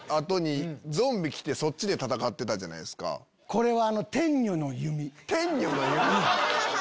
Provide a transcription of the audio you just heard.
これは。